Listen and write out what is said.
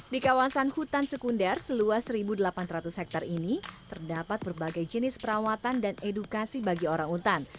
di kawasan hutan sekunder seluas satu delapan ratus hektare ini terdapat berbagai jenis perawatan dan edukasi bagi orang utan